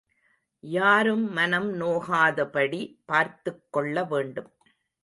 யாரும் மனம் நோகாதபடி பார்த்துக் கொள்ளவேண்டும்.